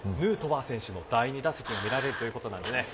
ヌートバー選手の第２打席に見られるということです。